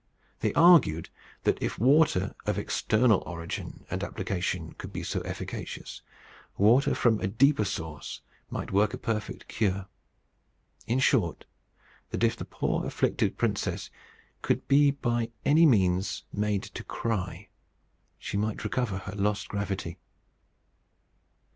They argued that, if water of external origin and application could be so efficacious, water from a deeper source might work a perfect cure; in short, that if the poor afflicted princess could by any means be made to cry, she might recover her lost gravity.